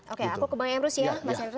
oke aku ke bang emrus ya